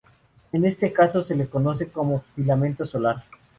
En este caso se la conoce como filamento solar.